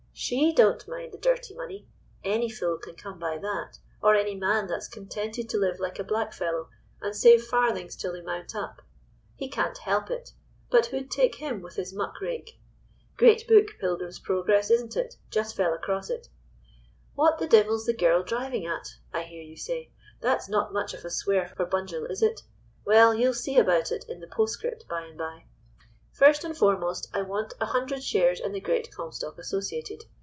She don't mind the dirty money—any fool can come by that, or any man that's contented to live like a black fellow, and save farthings till they mount up. He can't help it. But who'd take him, with his muck rake? "Great book, Pilgrim's Progress, isn't it? Just fell across it. "'What the devil's the girl driving at?' I hear you say. That's not much of a swear for Bunjil, is it? Well, you'll see about it in the postscript, by and by. "First and foremost, I want a hundred shares in the Great Comstock Associated.